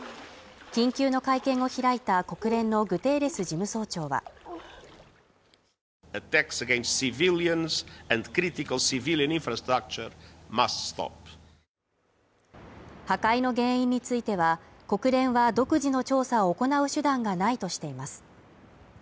緊急の会見を開いた国連のグテーレス事務総長は破壊の原因については、国連は独自の調査を行う手段がないとしています。